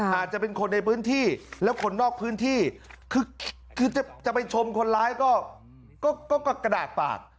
อาจจะเป็นคนในพื้นที่แล้วคนนอกพื้นที่คือจะไปชมคนร้ายก็กระดากปาก